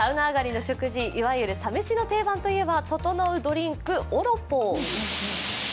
サウナ上がりの食事、いわゆるサ飯の定番と言えばととのうドリンク、オロポ。